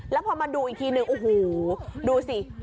แล้วพอมาดูอีกทีนึงโอ้โหดูสิ